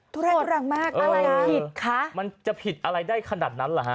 ทุรังมากอะไรผิดคะมันจะผิดอะไรได้ขนาดนั้นเหรอฮะ